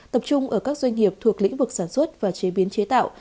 tập trung ở các doanh nghiệp thuộc lĩnh vực sản xuất và chế biến chế tạo